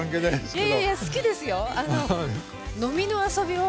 いやいやいや好きですよ。